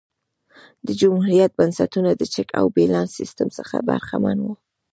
د جمهوریت بنسټونه د چک او بیلانس سیستم څخه برخمن وو